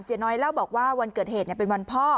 น้อยเล่าบอกว่าวันเกิดเหตุเป็นวันพ่อ